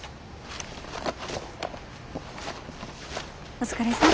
お疲れさん。